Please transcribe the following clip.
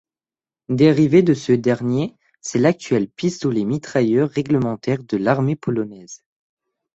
Dérivé de ce dernier, c'est l'actuel pistolet mitrailleur réglementaire de l'Armée polonaise.